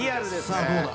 さあどうだ？